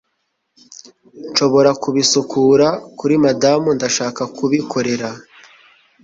nshobora kubisukura kuri madamu. ndashaka kubikorera